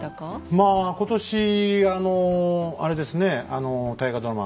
まあ今年あのあれですね大河ドラマ